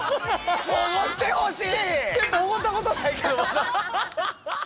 おごってほしい！